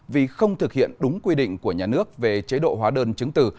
vì không thực hiện đúng quy định của nhà nước về chế độ hóa đơn chứng từ